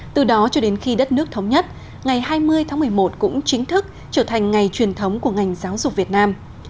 từ đó cho đến khi đất nước thống nhất ngày hai mươi tháng một mươi một cũng chính thức trở thành ngày truyền thống của ngành giáo dục việt nam